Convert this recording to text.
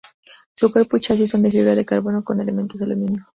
Su cuerpo y chasis son de fibra de carbono con elementos de aluminio.